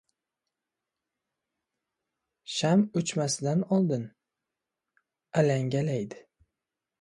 • Sham o‘chmasidan oldin alangalaydi.